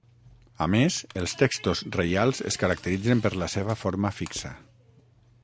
A més, els textos reials es caracteritzen per la seva forma fixa.